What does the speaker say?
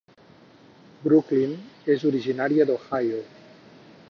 Brooklyn és originària d'Ohio.